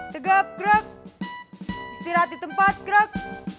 tegap gerak istirahat di tempat gerak